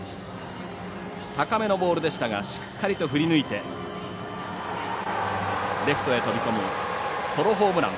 高めのボールでしたがしっかりと振り抜いてレフトへ飛び込むソロホームラン。